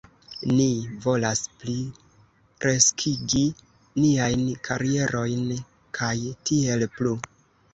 Ni volas pli kreskigi niajn karierojn kaj tiel plu